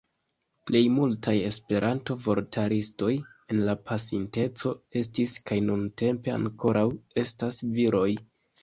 Plej multaj Esperanto-vortaristoj en la pasinteco estis kaj nuntempe ankoraŭ estas viroj.